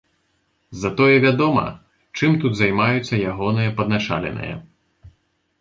Затое вядома, чым тут займаюцца ягоныя падначаленыя.